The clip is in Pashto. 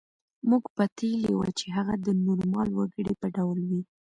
موږ پتېیلې وه چې هغه د نورمال وګړي په ډول وي